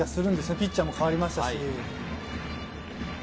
ピッチャーも代わりましたし。